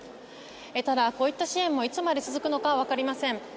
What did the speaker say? ただ、こういった支援もいつまで続くのか分かりません。